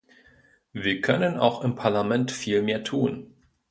Wir können auch im Parlament viel mehr tun.